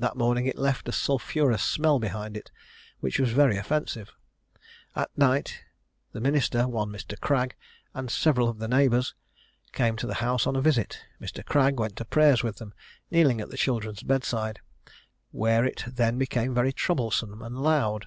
That morning it left a sulphurous smell behind it, which was very offensive. At night the minister, one Mr. Cragg, and several of the neighbours, came to the house on a visit. Mr. Cragg went to prayers with them, kneeling at the children's bedside, where it then became very troublesome and loud.